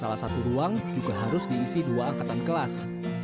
salah satu ruang juga harus diisi dua angkatan kelas